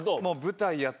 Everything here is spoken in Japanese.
舞台やっ